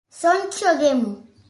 Sonche o demo